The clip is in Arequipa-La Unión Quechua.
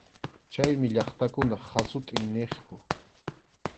Chaymi llaqtakunap hasut’in niqku.